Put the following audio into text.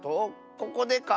ここでか？